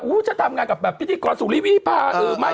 นุ่มฉันทำงานกับพี่ดีกรมา